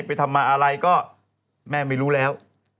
ไปทำมาอะไรก็แม่ไม่รู้แล้ว